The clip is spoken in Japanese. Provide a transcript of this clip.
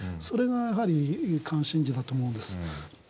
それがやはり関心事だと思うんです。